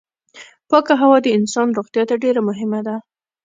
پاکه هوا د انسان روغتيا ته ډېره مهمه ده.